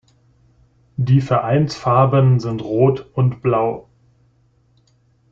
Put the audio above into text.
Die Vereinsfarben sind rot und blau.